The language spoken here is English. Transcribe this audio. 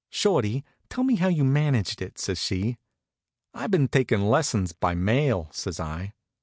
"Shorty, tell me how you managed it," says she. "I've been taking lessons by mail," says I.